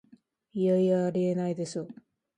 いやいや、ありえないでしょ